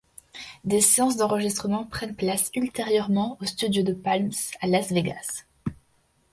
Des séances d’enregistrement prennent place ultérieurement aux studios de Palms, à Las Vegas.